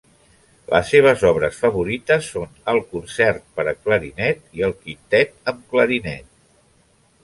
Les seves obres favorites són el concert per a clarinet i el Quintet amb clarinet.